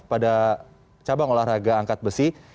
pada cabang olahraga angkat besi